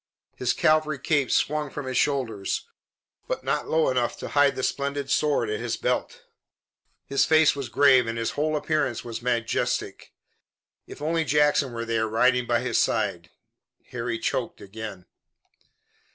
His cavalry cape swung from his shoulders, but not low enough to hide the splendid sword at his belt. His face was grave and his whole appearance was majestic. If only Jackson were there, riding by his side! Harry choked again.